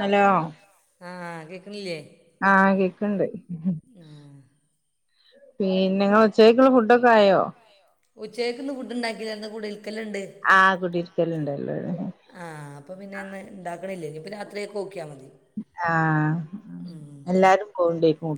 Hello ആഹ് കേക്ക്ന്നില്ലെ ആഹ് കേക്ണ്ട് പിന്നെങ്ങ ഉച്ചേക്കുള്ള ഫുഡൊക്ക ആയോ ഉചേക്കിന്ന് ഫുഡിണ്ടാക്കില്ലാര്ന്നു ഇന്ന് കുടിയിരിക്കലിണ്ട് ആഹ് കുടിയിരിക്കലിണ്ടല്ലോ ലേ ആഹ് അപ്പൊ പിന്നെന്ന് ഇണ്ടാക്കണില്ലേ ഇനിപ്പ രാത്രിയേക്ക് നൊക്കിയാ മതി ആഹ് ഉം എല്ലാരും പോണ്ടോയ്ക്കും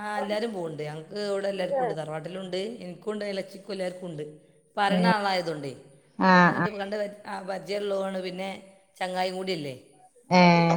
ആ ഹ് എല്ലാരും പൊവ്ണ്ട ഞങ്ങ്ക്ക് ഇവിടെ എല്ലാർക്കു ഉണ്ട് തറവാട്ടിലുണ്ട് എനിക്കു ഉണ്ട് എലച്ചിക്കു എല്ലാർക്കു ഉണ്ട് പറയ്ന്നാളായതുണ്ടെ ആഹ് ആഹ് നമ്മളായിട്ട് കണ്ട് [unintelligible] ആഹ് പരിജയൊള്ളൊണ് പിന്നെ ചങ്ങായി കൂടിയില്ലേ ഏയ്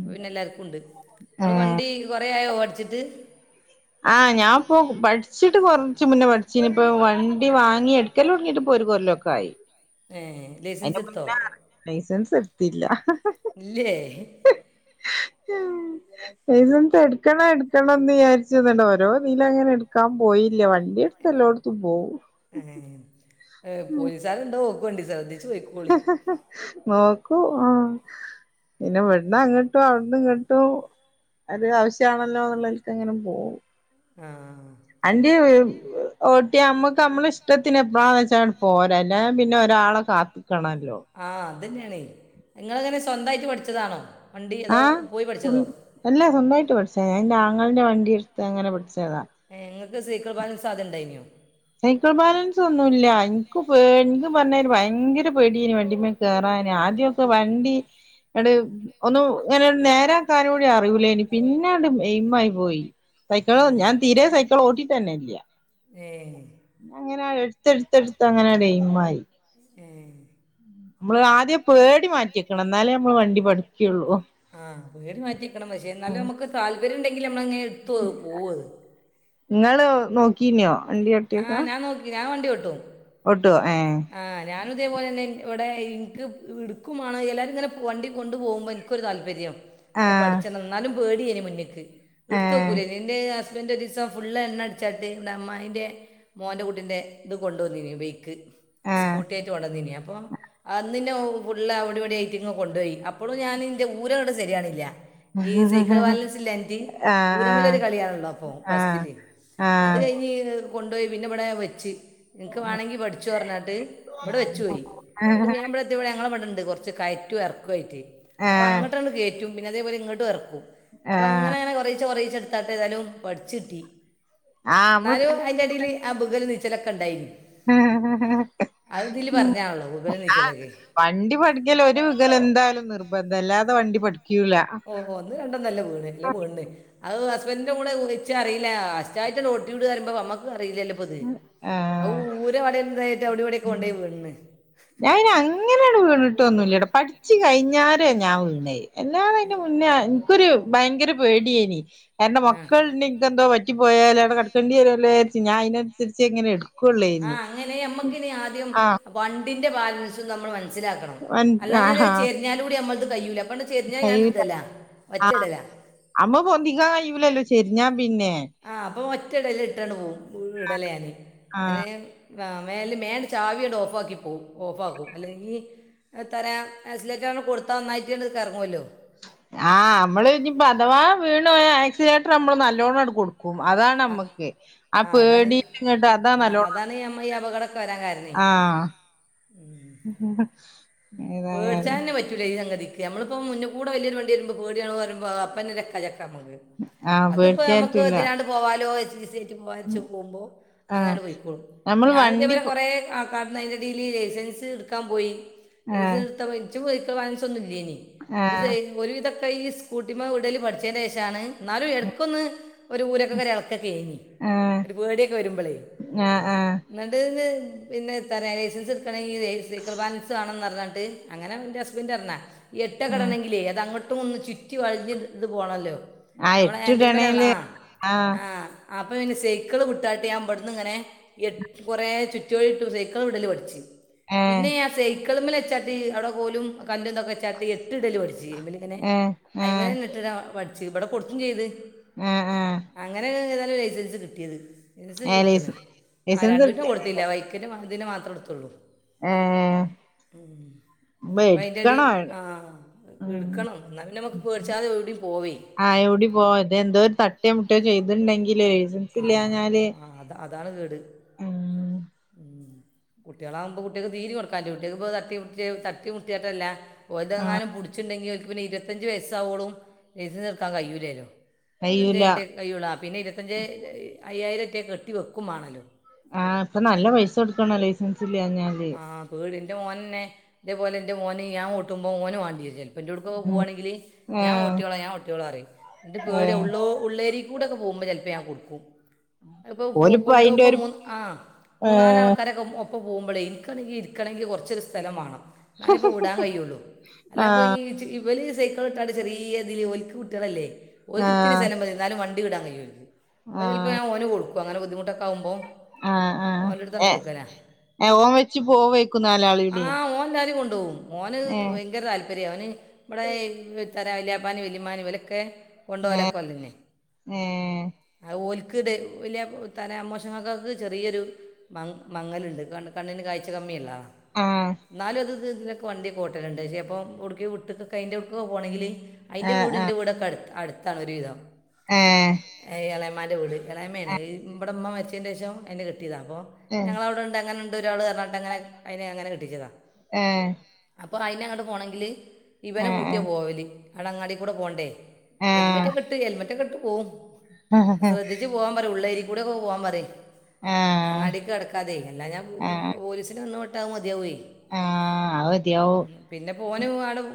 അപ്പ പിന്നെ എല്ലാർക്കു ഉണ്ട് നിങ്ങള് ഏഹ് വണ്ടി കൊറേ ആയോ ഓടിച്ചിട്ട് ആ ഹ് ഞാ ഇപ്പോ പട്ച്ചിട്ട് കൊറ്ച്ച് മുന്നേ പഠിച്ചു ഇനിപ്പൊ വണ്ടി വാങ്ങി എടു ക്കൽ തൊടങ്ങിട്ടിപ്പ ഒരു കൊല്ലൊക്കായി ഏ ലൈസൻസ് അതിൻ്റെ എടുത്തോ മുന്നെ ലൈസൻസെട്ത്തില്ല ഇല്ലേ ഉം [unintelligible] എട്ക്കണം എട്ക്കണം എന്ന് വിയാരിച് [unintelligible] ഓരോ തില അങ്ങനെ എടുക്കാ പോയില്ല വണ് ഇതെടുത്തെല്ലോടുത്തും പോവു ഏ പോലീസാരുണ്ടോ നോക്കൊണ്ടി ശ്രദ്ധിച്ചു പൊയ് നോക്കൂ ആഹ് പിന്നെ ഇവിട്ന്നങ്ങോട്ടും അവിട്ന്നിങ്ങോട്ടും ഒരു ആവശ്യ ആണല്ലോ എന്നുള്ളല്ക്ക് അങ്ങനെ പോവും ആഹ് അന്റെയാ വീട് [inaudible] ഓട്ടി നമ്മുക്ക് നമ്മള ഇഷ്ടത്തിന് എപ്പളാന്ന് വെച്ചാ പോരാ അല്ല പിന്നെ ഒരാള കാത്തിക്കണല്ലോ ആ ഹ്അത് തന്നെയാണെ ഇങ്ങളെങ്ങനെ സ്വന്തായ്ട്ട് പഠിച്ചതാണോ വണ്ടി അതോ ആഹ് പോയി പഠിച്ചതോ അല്ല സ്വന്തായിട്ട് പഠിച്ച ഞാ എന്റെ ആങ്ങളിൻ്റെ വണ്ടിയെടുത്ത് അങ്ങനെ പഠിച്ചതാ ഇങ്ങക്ക് സൈക്കിൾ ബാലൻസ് ആദ്യം ഇണ്ടായ്നു സൈക്കിൾ ബാലൻസ് ഒന്നു ഇല്ല എൻക്ക് പേ എനിക്ക് പറ്ഞ്ഞാല് ഭയ്ങ്കര പേടിയന് വണ്ടിമേ കേറാന് ആദ്യൊക്കെ വണ്ടി എട് ഒന്നും ഇങ്ങനെ നേരെ ആക്കാനൂടി അറിയൂല്ലാര്ന്നു പിന്നെ അങ്ങട് എയിമായി പോയി സൈക്കിള് ഏഹ് ഞാൻ തീരെ സൈക്കിൾ ഓട്ടിട്ട് തന്ന ഇല്ല ഏഹ് അങ്ങനെ എടുത്ത് എടുത്ത് എടുത്ത് അങ്ങനെ എയിമായി ഏയ് നമ്മള് ആ പഠിക്കുള്ളൂ ആഹ് പേടി മാറ്റിക്കണം പക്ഷെ ഉം എന്നാലും നമുക്ക് താല്പര്യം ഉണ്ടെങ്കിൽ നമ്മള അങ്ങനെ എടുത്തു പോവത് ഇങ്ങള് നോക്കീനോ വണ്ടി ആഹ് ഞാൻ നോക്കി ഞാൻ വണ്ടി ഓട്ടും ഒട്ടോ ഏ ആഹ് ഞാനും ഇതേപോലെ തന്നെ ഇവിടെ ഇനിക്ക് ഇടുക്കും മാണം എല്ലാവരും ഇങ്ങനെ വണ്ടി കൊണ്ടു പോകുമ്പോ ഒരു താല്പര്യം ആഹ് പഠിച്ചണംന്നാലും പേടിയേനി മുന്ന്ക്ക് ഏഹ് ഇട്ത്തക്കൂലെനി എന്റെ ഹസ്ബൻറ് ഒരീസം ഫുളള് എണ്ണ അടിച്ചാട്ട് ഇന്ന അമായിന്റെ മോന്റെ കുട്ടിന്റെ ഇത് കൊണ്ടുവന്നീ ബൈക്ക് സ്കൂട്ടി ആയിട്ട് കൊണ്ടുവന്നീന് അപ്പൊ അന്നിന്നെ ഫുള്ള് അവിടെ ഇവിടെ ഐറ്റിങ്ങനെ കൊണ്ടുപോയി അപ്പോളും ഞാനിന്റെ ഊര ഇങ്ങട്ട് ശരിയാണില്ല ഈ സൈക്കിൾ ആഹ് ബാലൻസ് ഇല്ലാഞ്ഞിട്ട് ഈ ആഹ് ഊരമലൊരു കളിയാണല്ലോ അപ്പൊ ആഹ് ഫസ്റ്റില് അത് ആഹ് കഴിഞ്ഞ് കൊണ്ടൊയി പിന്നെ ഇവിടെ വെച്ച് നിനക്ക് വേണമെങ്കി പഠിച്ചോ പറഞ്ഞുങ്ങാണ്ട് ട്ട് ഇവിടെ വെച്ചു പോയി എന്നിട്ട് ആഹ് പിന്നെ [unintelligible] ഞങ്ങളെ വിടെ ഉണ്ട് കൊറച്ച് കയറ്റം ഇറക്കം ആയിറ്റ് അപ്പൊ ആഹ് അങ്ങട്ട് കേറ്റും രുഭിനൻ്റെ പോലെ ഇങ്ങട്ടുർക്കും അപ്പ ആഹ് ങ്ങനെങ്ങനെ കൊറേചേ കൊറേചേ ത്താത്ത എതാലും പട്ച്ചിട്ടി ആഹ് ന്നാലു നമ്മള് ഐന്റെ ടേല് ആഹ് ബുക്കലും നീച്ചലൊക്കെണ്ടായ്ന്ന് ഹ്ഹ്ഹ്ഹ്ഹ് അഅ്തില് പറഞ്ഞാൺല്ലോ വിഗലും നിച്ചലൊക്കെ വണ്ടി പഠിക്കൽ ഒര് വിങ്കലന്തായലും നിർബന്ധല്ലാതെ വണ്ടി പഠിക്യൂല ഓഹോ ഒന്നു രണ്ടൊന്നല്ല വീണ് ല്ല വീൺണ് അഅ് ഹസ്ബൻന്റിന്റെ കൂടെ പോയിറ്റ റീല്ലാ ഫസ്റ്റായിട്ടന്ന് ഓട്യൂട് റിമ്പോ വമ്മക്ക് അറിലല്ലോ പ്പത് ഔ ആഹ് ഊര വളൻതായ്റ്റ വിടെവിടെക്കെ കൊണ്ടയി വീൺണ് ഞാൻ അങ്ങനെയങ് വീണിട്ടൊന്നു ഇല്ലട്ടൊ പഠിച്ചു കഴിഞ്ഞരേ ഞാൻ വീണേ എല്ലാ ഇന്റെ മുന്നേ ൻക്കൊരു ഭയങ്കര പേടിയെനി കാര്ണം ആ മക്കൾൻക്കന്താ പ റ്റി പോയാലാവടെ കടക്കണ്ടിരോല്ലോ യാര്ച് ഞായ്നൻസരിച്ങ്ങടു ആഹ് അങ്ങനെ നമ്മക്കിനി ആദ്യം ആഹ് വണ്ടിന്റെ ബാലൻസും നമ്മൾ മൻ സ്സിലാക്കണം അല്ലാഞ്ഞാ അത് ആഹ് ചെയ്യാ ഞ്ഞാലൂടി നമ്മൾത് കയൂലഅപ്പണ്ട് കയ്യൂല ചെരിഞ്ഞയ്ഞാൺടലാ ഒറ്റടലാ അമ്മ പൊന്തിക്കാകയ്യൂലല്ലോ ചെരിഞ്ഞാം പിന്നെ ആഹ് അപ്പൊ ഒറ്റടല് ഇട്ടൺ പോവും വു ഇടലാന് അല്ലേ ആഹ് ഞാൻ വാ മേല് മേൽ ചാവിയണ്ട്ഓഫാക്കി പോവും ഓഫ് ആക്കും അല്ലെങ്കി എത്തരാ എസ്‌ലേറ്റൺ കൊട്ത്താ ന്നായിറ്റ് തർങ്ങുല്ലോ ആഹ് അമ്മള് ഇഞ്ഞ് പ്പഅഥവാ വീണ് പോയാ ആക്സ് ലേട്ടർ അമ്മള് നല്ലോണൺ കൊട് ക്കും ആ അതാണമ്മക്ക് ആ അതാണ് ആപേടിങ്ങട്ട് അതാ നല്ലോണ ബരാൻ കാര്ണയ് ഉം പേട്ച്ചാന്നെ പ ലയ് സംഗതിക്ക് നമ്മളിപ്പോ മുന്ന്കൂടെ വല്യയൊരു വണ്ടി വര്മ്പോ പേട്യാണ് പറിമ്പോ ആഹ് [unintelligible] അത്പ്പോ പേടിക്കാൻ ഞമ്മക്ക് പറ്റൂല തിനാ പോവാലോ [unintelligible] പോവുമ്പോ ആഹ് അങ്ങെനൺ പെയ്ക്കോളും നമ്മള് ഞാനു വണ്ടി ഇതേപോലെ പോ കുറേ പാട്ട് ലൈൻ്റടേല് ലൈസൻസ് ട്ക്കാ മ്പോയി ആഹ് ലൈസത്തപോയ് ഇച്ച് സൈക്കിൾ ബാലൻസൊന്നുല്യേനി ത് ആഹ് സൈ ഒര് വിതൊക്കയ് സ്കൂട്ടിമ്മ വിടല് പഠിച്ചേന്റെഷാണ് ന്നാലും എടക്കൊന്ന് ഒരു ഊരൊക്കെ ഒരളക്കക്കേങ്ങി ആഹ് ഒരു പേടിക്കെ വരുമ്പളേ ആഹ് ആഹ് ന്നിട്ട്ന്നെ പിന്നെത്ത ലൈസൻസ് ട്ക്കണെങ്കി ലൈ സൈക്കിൾ ബാലൻസ് വാണന്നർ ന്നങ്ങട്ട് അങ്ങനെ ന്റെ ഹസ്ബന്റർഞ്ഞാ ആഹ് എട്ടക്കടണെങ്കിലേ അത് അങ്ങ ട്ടുംഒന്ന് ചുറ്റി വളഞ്ഞ് ഇത് പോണല്ലോ ആ നമ്മളെ ഹാന്റിൽമലാൺലാ എട്ടിടണേല് ആഹ് ആഹ് അപ്പൊ പിന്നെ സൈക്ക്ള് കിട്ടായ്ട്ട് ഞാം ബ്ട്ന്ന് ങ്ങനെ എൺ കൊറെ ചുറ്റുവഴിട്ടു സൈക്കള് വിടല് പഠിച്ച് ഏഹ് പിന്നെ ഞാസൈക്ക്ള്മ്മല്ച്ചാട്ടി അവ്ടെ കോലും കല്ലുതൊക്കെ ലാത്രി എട്ട്ടൽ പട്ച്ച് അയ്മന്ന്ങ്ങനെ ഏഹ് ഏഹ് അയ്മലന്ന്ട്ട് ആ പട്ച്ച് ഇപടെ കൊട്ക്കും ചിത് ആഹ് ആഹ് അങ്ങനെതാലും ലൈസൻസ് കിട്യേത് നസ് ഏഹ് ലൈസ ട്ത്ത്ണ് ആഹ് ലൈസൻസ് രണ്ടിന്റേം എടുത്ത്ണ് കൊട്ത്തില്ല ബൈക്ക് ഇതിൻ്റെ മാ തിനെ മാത്രം എട്ത്തുള്ളൂ ആഹ് ആഹ് അയ്ന്റടി ആ ഉം എട്ക്കണംന്നാപിന്നെ മക്ക് പേട്ച്ചാതെ എവിടെം പോവേ ആഹ് എവിടേം പോവ തെഎന്തോര് തട്ടെ മുട്ടേ ചെയ്ത്ണ്ടങ്കില് ലൈസൻസ് ആ ഇല്യാഞ്ഞാല് ആ, അത അതാണ് കേട് ഉം കുട്യോളാമ്പോ കുട്യേക്ക് തീരിം കൊട്ക്കാൻ്റു കുട്യേൾക്പ്പോ തട്ടി മുട്ടേ തട്ടിമുട്യേറ്റല്ല ആഹ് ഓൽതെങ്ങാനും പുട്ച്ണ്ടങ്കി ഓൽക്ക് പിന്നെ ഇരുപത്തഞ്ച് വയസ്സാവോളും ലൈസസ്ട്ക്കാൻ കയ്യൂലലോ കയ്യൂല രതൻഞ്ചേൻട്ടേ കയ്യൂള്ളു ആഹ് പിന്നെ ഇര്‌വത്തഞ്ച് അയ്യായിരേറ്റെ കെട്ടി വെക്കും മാണല്ലോ ആഹ് പ്പനല്ല പൈസൊട്ക്കണം ലൈസൻസില്ലാഞ്യാൽ ആഹ് പേടിന്റെ മോനന്നെ തേപോലെ ന്റെമോന് ഞാഓട്ടുമ്പോ ഓന് വാണ്ട്യേ രും ചെൽ ഇന്റോട്ക്കൊക്കെ പുവാണെങ്കില് ആഹ് ഞാഓട്ട്യോള ഞാഓട്ട്യോളറിയും ട്ട് പേട്യാവും ഏഹ് ഉള്ളോ ഉള്ളേരിക്കൂടക്കെ പോമ്പ ചെൽപ്പ ഞാകൊട്ക്കും അഅ്പ്പൊ പോ ഓലിപ്പോ അയിന്റെ കൊണ്ടോമ്പോ ഒരു മു ആ ഹ് മൂന്നാല് ഏഹ് ആൾക്കാരൊക്കെ ഒപ്പ പോവുമ്പളേ ഇരിക്കണെങ്കി കൊറച്ചൊരു സ്ഥലം വണം ന്നാലെപ്പ വിടാൻ കയുള്ളൂ അല്ലപ്പൊ ആഹ് ഈ ഇവല് സൈക്കളിട്ടാ ചെറിയ ഇതില് ഓല്ക്ക് കുട്ട്യേളല്ലേ ഓല്ക്കിത്തിരി ആഹ് സ്ഥലം മതിന്നാലും വണ്ടി ണ്ടി ടാൻ കയ്യും ഓല്ചെല്പ ആഹ് ഓന് കൊടുക്കും അങ്ങന ബുദ്ധിമുട്ടൊക്കെ ആകുമ്പോ ആഹ് ആഹ് ഓന്റെടുത്തണ് ഏഹ് കൊടുക്കല ഏഹ് ഓൻ വെച്ച് പോവേക്കും നാലാളീം കൂടി ആഹ് ഓൻ എല്ലാരേം കൊണ്ടോവും മോന് ഏഹ് ഭയങ്കര താല്പര്യ അവന് ഇവടെ തരാ വല്ലിപ്പാനേം വല്ലിമ്മാനേം ഓലൊക്കെ ഏഹ് കൊണ്ടോലൊക്കെ ഓതന്നെ ഏഹ് ആഹ് ഓൽക്ക്ട് വലിയ തല മ്മോശകാക്കക്ക് ചെറിയൊരു മ മങ്ങല്ണ്ട് കണ്ണ് കണ്ണിന് കാഴ്ച കമ്മിയിള്ളാ ആഹ് ന്നാലും അത് ഇതിനൊക്കെ വണ്ടി ഒക്കെ ഓട്ടലുണ്ട ചെലപ്പം ഉടുക്കി വീട്ടിക്കൊക്കായിട്ട് എവിട്ക്കെങ്കിലും പോണെങ്കിൽ അയിന്റെ ആഹ് വീടും ആഹ് ന്റെ വീടൊക്കെ അടുത്ത് അടുത്താണ് ഒരു വിധം ഏഹ് എളയമാന്റെ വീട് എളാമയാണ് ഇവിടെ ഉമ്മ മരിച്ചതിന്റെഷം അയിനെ കെട്ടിയത അപ്പോ ഏഹ് ഞങ്ങങ്ങള അവടെ ഉണ്ട് അങ്ങനെണ്ട് ഒരാൾ പറഞ്ഞിട്ട് അങ്ങന അയിനെ അങ്ങനെ കെട്ടിച്ചതാ ഏഹ് അപ്പൊ അയിന് അങ്ങട് പോണെങ്കില് ഇവനെ കൂട്ടിയ ഏഹ് പോവല് അവടെ അങ്ങാടി കൂടെ പോണ്ടേ ഹെൽമെറ്റ് ഏഹ് ഒക്കെ ഇട്ട് ഹെൽമെറ്റ് ഒക്കെ ഇട്ട് പോവും ശ്രദ്ധിച്ചു പോവാൻ പറയും ഉള്ളേരിയ കൂടെ പോവാൻ പറയും ആഹ് അങ്ങാടീക്ക് കടക്കാതെ അല്ലാ ഞാ ആഹ് പോലീസിന് വന്ന് പെട്ട അത് മതിയാവേ ആഹ് അത് മതിയാവും [unintelligible] പിന്നെപ്പോനും ആടും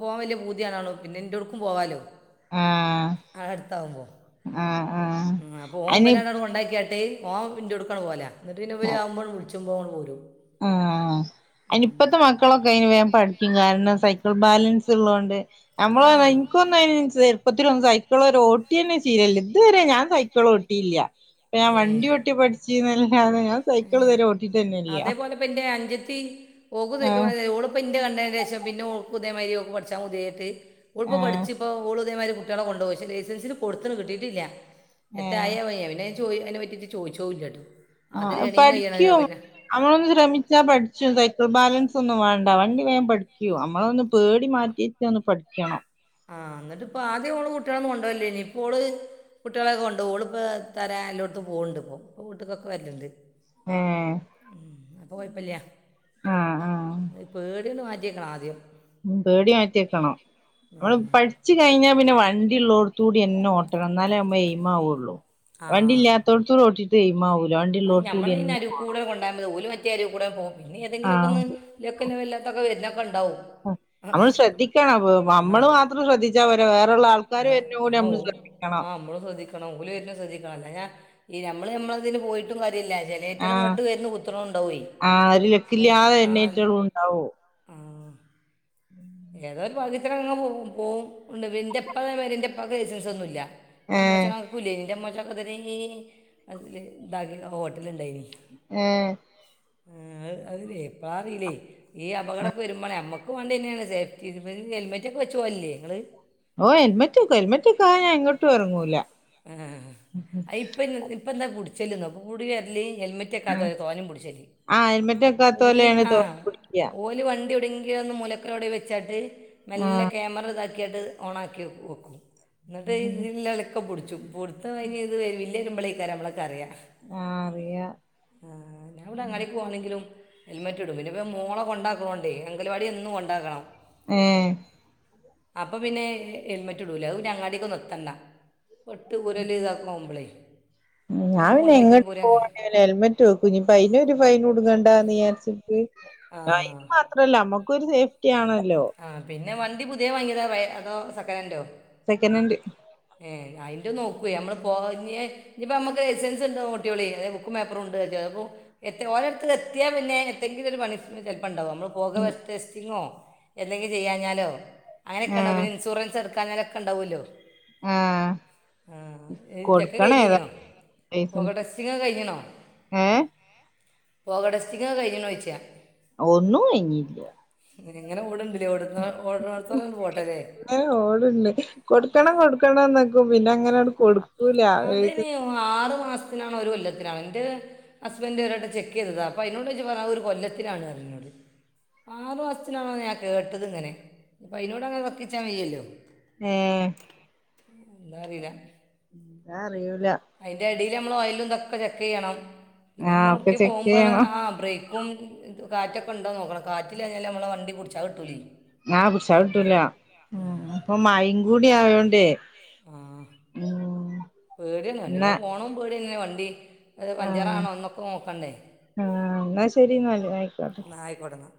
പോകാൻ വല്യ പൂതിയാണല്ലോ പിന്നെ എന്റോട്ക്കും പോവാല്ലോ ആഹ് അതട്ത്താവുമ്പോ ആഹ് ആഹ് ഉം അപ്പൊഓൻ അയിന് ഇവലെ ങ്ങട് കൊണ്ടാക്കിയാട്ട് ഓൻ ന്റോട്ക്ക് അങ്ങട് പോവല ഇന്നിട്ട് പിന്നെവര് ആവുമ്പോട് വിളിച്ചുമ്പോ ഓണ്ട് പോരും ആഹ് ഉം. അയിനിപ്പത്തെ മക്ക ക്കളൊക്കെ വേഗം പഠിക്കും കാരണം സൈക്കിൾ ബാലൻസ് ള്ളോണ്ട് നമ്മള് ആ ഒന്നും ആ, ഇനിക്കൊന്നും ചെറുപ്പത്തിൽ ഒന്നും സൈക്കിൾ വരെ ഓട്ടി തന്നെ ശീലല്ല ഇതുവരെ ഞാൻ സൈക്കിൾ ഓട്ടില്ലാ അപ്പൊ ഞാൻ ഏ വണ്ടി ഓട്ടി പഠിച്ചീന്നല്ലാതെ ഞാൻ സൈക്കിൾ ഇതുവരെ ഓട്ടിട്ടന്നെല്ല ഇപ്പന്റെ അഞ്ചത്തി ഓക്ക് സൈക്കിൾ വാങ്ങിത്‌ ഓളും പ്പന്റെ കണ്ടേന് ശേഷം പിന്നെ ഓൾക്കും ഇതേമായിരി ഓൾക്ക് പഠിച്ചാ പൂതിയായ്റ്റ് ഓള്പ ആഹ് പഠിച്. ഓളുപ്പതേമാരി കുട്ട്യേളെ കൊണ്ടോക പക്ഷെ ലൈസൻസിന് കൊടുത്ത്ണ് കിട്ടിട്ടില്ല. ഏഹ് എത്തായയായ പിന്നെ ചോയി അയിന പറ്റിട്ട് ചോദിച്ചതുല്ലട്ടോ. ആഹ് പഠിക്കും. നമ്മളൊന്ന് ശ്രമിച്ചാ പഠിച്ചു സൈക്കിൾ ബാലൻസ് ഒന്നും വേണ്ട വണ്ടി വേം പഠിക്കു നമ്മളൊന്ന് പേടി മാറ്റി. ചോ ഒന്ന് പഠിക്കണം. ആഹ് ന്നിട്ടിപ്പൊ ആദ്യം ഓള് കുട്ടികളൊന്നും കൊണ്ടോല്ലേനി ഇപ്പോള്. കുട്ടികളൊക്കെ കൊണ്ടോകും ഓളിപ്പോ തരാൻല്ലോട്ട് പോകണ്ട്പ്പോ വീട്ടിക്കൊക്കെ വർല്ണ്ട്. ഏ അപ്പൊ കൊഴപ്പില്ല. ആ ആ പേടിയൊന്ന് മാറ്റിയേക്കണം ആദ്യം. ഉ പേടി മാറ്റിയേക്കണം മ്മള് ഉം. പഠിച്ചു കഴിഞ്ഞാ പിന്നെ വണ്ടിള്ളോടത്തൂടി. എന്നു ഓട്ടണം ന്നാലേമ്മ എയിമാവുള്ളു. വണ്ടി ആഹ് ഇല്ലാത്തോടത്ത് ഓട്ടിട്ട് എയിമാവൂല വണ്ടിള്ളോട കൂടിന്നെ പോണം. കൂടെണ് കൊണ്ടയമതി ഓല് മറ്റേ അരൂകൂടെ പോകുംപിന്നെ ആ തെങ്കിലുംക്കെ ഒന്ന് ലക്കിന് ഇല്ലാത്തക്കെ വരുന്നൊക്കെ ണ്ടാവും. നമ്മള് ശ്രദ്ധിക്കണം നമ്മള് മാത്രം ശ്രദ്ധിച്ചാ പോരെ വേ. ആഓ ആഹ് അമ്മള് സ്രദ്ധിക്ക. ഓല് വെര്ന ശ്രദ്ധിക്കണംഅല്ലാഞ്ഞ ഈ നമ്മള് നമ്മളതില് പോയിട്ടും കാര്യല്ല. ആ അയ്റ്റള ഇങ്ങട്ട് വന്നു കുത്ത്ണുണ്ടവയ്. ആ ഒരു ലക്കില്ലാതെ ആഹ് എണ്ണീറ്റകളും ഉം ഏതൊരു ഭാഗ്യത്തിന് അങ്ങന പോകുംപോകുംന്ന ഇന്റപ്പതേമാതി രി ന്റപ്പാക്ക് ലൈസൻസൊന്നുല്ല. ഏ ന്റമ്മോശാകാക്കുംഇല്ലേയ് ന്റമ്മോ ശാക്കദരീ [unintelligible] ഹോട്ടല്ണ്ടായിന്. ഏ. ഹ് ഉം അറീല്ലേ എപ്പഴാറീലെ ഈ അപകടൊക്കെ വരുമ്പാണ് നമ്മക്ക് മാണ്ടിന്നേണ്. സേഫ്റ്റി [unintelligible] ഹെൽമെറ്റൊ ക്കെ വെച്ച് പോവലില്ലേ ങ്ങള്. ഓ ഹെൽമെറ്റ്ക്കും ഹെൽമറ്റക്കാതെ ഞാ എങ്ങോട്ടറങ്ങൂല. ആഹ്ഹ പ്പന് ഇപ്പന്താ കുടിച്ചല് നോ പ്പ കൂടി വെരല്. ഹെൽമെ [unintelligible] തോനിം പുട്ച്ചല് ആ അ ഹെൽമെറ്റ് അയന്നെ ഓല് വെക്കാത്തോലെയാണ് ആ തോനെ പിടിക്ക ഓറ്റ. വണ്ടിഎവിടേങ്കിലൊന്ന് മൂലക്കലെവിടേവെച്ചാട്ട് മെല്ലെക്യാമറത. ക്കിയാട്ട് ഓണാക്കിവെക്കും എന്നിട്ട് ആ ഇതിലില്ലോലെക്കെ പുട്. [unintelligible] ഇത് വര് ബില്ലെ യ്തുമ്പോലേക്കാരംനമ്മളൊക്ക അറിയാ. ആഹ് അറിയ ആഹ് ഞാവിലെങ്ങാടി. പോണെങ്കിലും ഹെൽമെറ്റ്ടും പിന്നെ മോള കൊണ്ടാക്ണോണ്ടേ അങ്കൽവാടി എന്നും കൊണ്ടാക്കണം. ഏ.. മ് അപ്പൊ പിന്നെ ഹെൽമെറ്റ്ടൂല അത്പിന്നെ അങ്ങാടിക്കൊന്നും എത്തണ്ട. പട്ട് ഊരല് ഇതാക്ക് മ്പ്ലൈ. ഞാൻ പിന്നെ എങ്ങട്ട് പോവാണേല് ഹെൽമെറ്റ് വെക്കും ഇനിപ്പ അയിനൊര് ഫൈന് കുടുങ്ങണ്ടാച്ചിട്ട്. ആ ആയിന് മാത്രല്ല നമ്മക്കൊരു സേഫ്റ്റി ആണല്ലോ. ആ പിന്നെ വണ്ടി പുതിയ വാങ്ങിയതാ റെ അതോ സെക്കനന്റോ. സെക്കനന്റ്. ഏഹ് അയിന്റെ നോക്കുഎനമ്മള് പോകഞ്. ഇഞ്ഞിപ്പൊ മ്മക്ക് ലൈസൻസ്ണ്ടോ ഓട്ട്യോളി അതെ ബുക്കുംപേപ്പറുണ്ട് പ്പോ. എത്തെ ഓരടത്ത് എത്തിയാ പിന്നെ എത്തെങ്കിലും ഒരു പണി. സും ന്നെ ചെല്പ്ണ്ടാവും നമ്മള് പോകവസ് ടെസ്റ്റിങ്ങോ എന്തെങ്കിലും ചെയ്യാഞ്ഞാലോ. അങ്ങനൊക്കെണ്ടാകും ആഹ് പിന്നെ ഇൻ സൂറൻസ് എടക്കാഞ്ഞാലാക്കെ ണ്ടാകോല്ലോ. ആ... ഹ് ആ ഇ ചെക്ക [unintelligible] പൊക ലൈസൻസ് ടെസ്റ്റിങ്ങൊക്ക കഴിഞ്ണൊ. ഏഹ് പോക ടെസ്റ്റിംങ് ക്കെ കഴിഞ്ഞ്നോയ്ച്ചാ. ഒന്നുംകഴിഞ്ഞില്ല്യ ഇങ്ങങ്ങനെ ഓടണ്ടിലെ ഓടന്നൊ ഓടണട് ത്തോളം പോട്ടെലേ എ ഓടുണ്ട് കൊടുക്കണം കൊടുക്കണംന്നക്കും പിന്ന ങ്ങനെട് കൊടു അത് ഇനിആറു മാസത്തിനാണോ ഒരു കൊല്ലത്തിനാണോ എന്റെ ഹസ്ബൻഡറ് ഒരുവട്ടംചെക്ക് ചെയ്തതാഅപ്പൊ അയി നോട് ചോദിച്ചപ്പോപറലാഞു ആഒരു കൊല്ലത്തിലാണ്പറഞ്ഞു ന്നോട് ആറു മാസത്തിനാണോ ഞാൻ കേട്ടത് ഇങ്ങനെ ഇനിപ്പോ അയിനോട് അങ്ങനെ വക്കിച്ചാൽ വയ്യല്ലോ ഏഹ്... ഉം എന്താറീ ല്ല ഉം ഞാ അറിയിൂല അതിന്റെ അടിൽ നമ്മള് ഒ യലും ഇതൊക്കെ ചെക്ക് ചെയ്യണം പിന്നെ ആഹ് നമ്മൾ ഒക്കെ എവ്ടുക്കി ചെക്ക് പോക്പോണ് ചെയ്യണം ആ ബ്രേക്ക് ക്കും ഇത് കാറ്റൊക്കെ ഉണ്ടോന്ന് നോക്കണം കാറ്റിലാഞ്ഞാല നമ്മളെ വണ്ടി കുടിച്ചാൽ കിട്ടൂല ഞാപിടിച്ചാകിട്ടൂല ഉം പ്പൊമഴീമ് കൂടി ആയോണ്ടേ ഉഉം പേട തന്നെ വണ്ടി പോണതും പേടിന്നെണ് വണ്ടി അത് ആഹ് പഞ്ചറാണോ ഒന്നൊക്കെ നോക്കണ്ടേ ആഹ് എന്നാ ശരി എന്നാല് ആയിക്കോട്ടെ എന്നാ ആയിക്കോട്ട എന്നാ